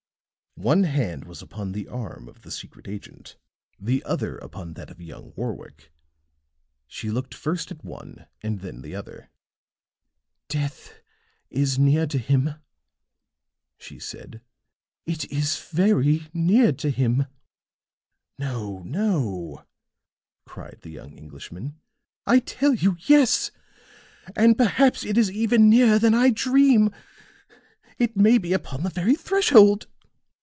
One hand was upon the arm of the secret agent, the other upon that of young Warwick; she looked first at one and then the other. "Death is near to him," she said. "It is very near to him." "No, no!" cried the young Englishman. "I tell you, yes! And, perhaps, it is even nearer than I dream. It may be upon the very threshold."